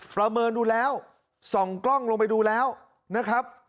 ประเมินดูแล้วส่องกล้องลงไปดูแล้วนะครับ